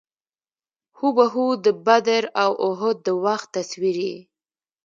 هو بهو د بدر او اُحد د وخت تصویر یې.